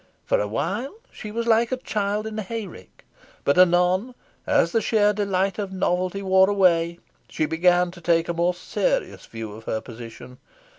For a while, she was like a child in a hay rick. But anon, as the sheer delight of novelty wore away, she began to take a more serious view of her position.